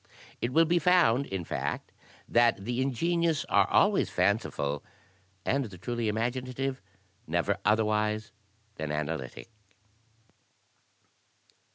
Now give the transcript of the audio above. It will be found, in fact, that the ingenious are always fanciful, and the truly imaginative never otherwise than analytic.''